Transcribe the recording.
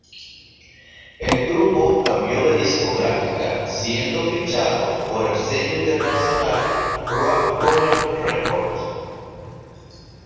El grupo cambió de discográfica, siendo fichados por el sello internacional Roadrunner Records.